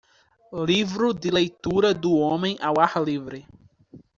Livro de leitura do homem ao ar livre.